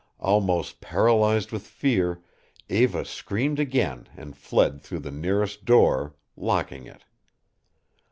Almost paralyzed with fear, Eva screamed again and fled through the nearest door, locking it.